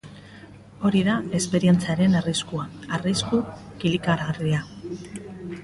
Hori da esperientziaren arriskua, arrisku kilikagarria!